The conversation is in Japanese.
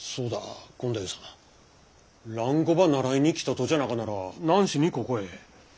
権太夫さん蘭語ば習いに来たとじゃなかなら何しにここへ。